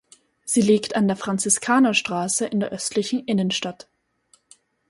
Sie liegt an der Franziskanerstraße in der östlichen Innenstadt.